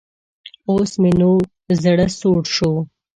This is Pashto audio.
اوس مې نو زړۀ سوړ شو.